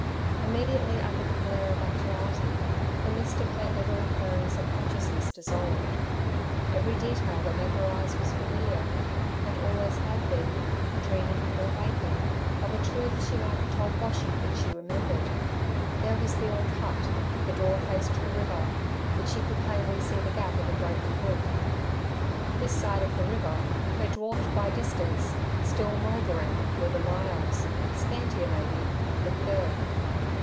Immediately, under the glare of actuality, the mist of her ever recurring subconsciousness dissolved. Every detail that met her eyes was familiar, and always had been, dreaming or waking; of a truth, she might have told Boshy that she remembered. There was the old hut: the door faced the river, but she could plainly see the gap in the broken roof. This side of the river, though dwarfed by distance, still mouldering, were the myalls, scantier maybe, but there.